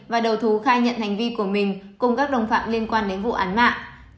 và đầu thú khai nhận hành vi của mình cùng các đồng phạm liên quan đến vụ án mạng